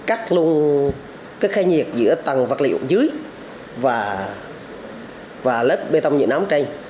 cắt luôn cái khai nhiệt giữa tầng vật liệu dưới và lớp bê tông nhựa nám trây